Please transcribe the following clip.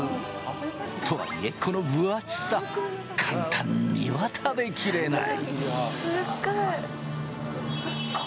とはいえこの分厚さ、簡単には食べきれない。